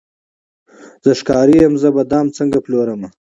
زه ښکاري یم زه به دام څنګه پلورمه